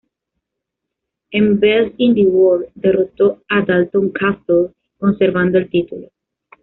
En Best in the World, derrotó a Dalton Castle, conservando el título.